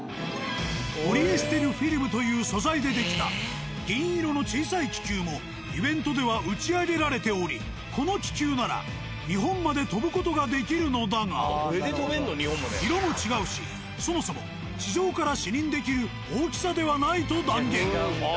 ポリエステルフィルムという素材で出来た銀色の小さい気球もイベントでは打ち上げられておりこの気球なら色も違うしそもそも地上から視認できる大きさではないと断言。